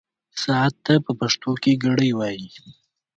ساعت ته په پښتو کې ګړۍ وايي.